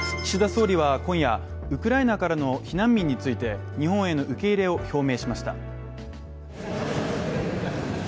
岸田総理は今夜、ウクライナからの避難民について日本への受け入れを表明しました。